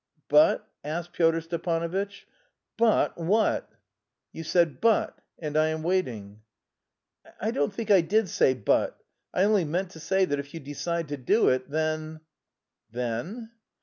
"But?" asked Pyotr Stepanovitch.... "But what?" "You said but... and I am waiting." "I don't think I did say but... I only meant to say that if you decide to do it, then..." "Then?"